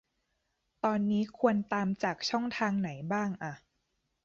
ตอนนี้ควรตามจากช่องทางไหนบ้างอะ ?